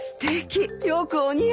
よくお似合いです！